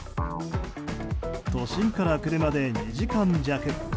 都心から車で２時間弱。